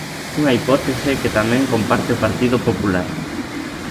Unha hipótese que tamén comparte o Partido Popular.